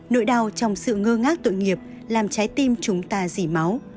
nỗi đau trong sự ngơ ngác tội nghiệp làm trái tim chúng ta dỉ máu